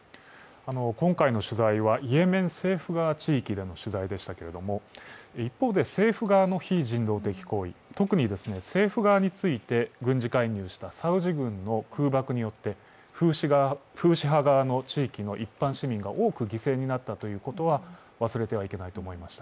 今回の取材は、イエメン政府側地域での取材でしたけれども、一方で政府側の非人道的行為、特に政府側について軍事介入したサウジ軍の空爆によってフーシ派側の地域の一般市民が多く犠牲になったということは忘れていけないと思います。